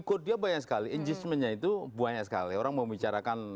king purwa itu juga tapi pengikutnya banyak sekali itu banyak sekali orang membicarakan